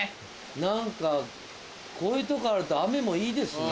何かこういうとこあると雨もいいですね。